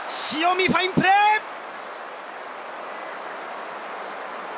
塩見ファインプレー！